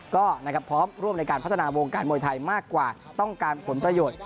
ก็พร้อมร่วมในการพัฒนาวงการมวยไทยมากกว่าต้องการผลประโยชน์